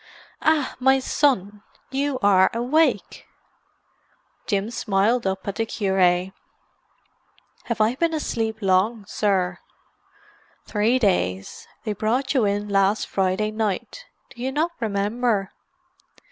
"Ah, my son! You are awake!" Jim smiled up at the cure. "Have I been asleep long, sir?" "Three days. They brought you in last Friday night. Do you not remember?"